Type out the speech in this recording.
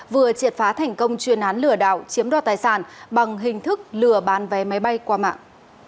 vừa triệt phá thành công chuyên án lừa đạo chiếm đo tài sản bằng hình thức lừa bán vé máy bay qua mạng